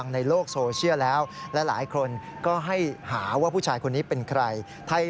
ในโลกโซเชียลโดยเฉพาะสาวถูกใจมาก